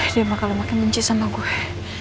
dia bakal makin mencis sama gue